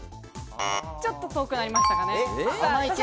ちょっと遠くなりましたかね。